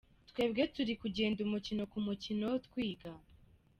Twebwe turi kugenda umukino ku mukino twiga.